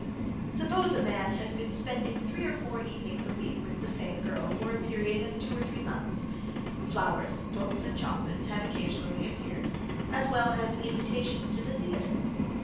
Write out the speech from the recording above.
Suppose a man has been spending three or four evenings a week with the same girl, for a period of two or three months. Flowers, books, and chocolates have occasionally appeared, as well as invitations to the theatre.